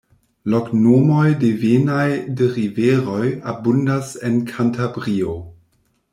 Loknomoj devenaj de riveroj abundas en Kantabrio.